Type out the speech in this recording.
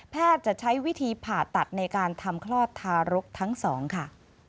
จะใช้วิธีผ่าตัดในการทำคลอดทารกทั้งสองค่ะ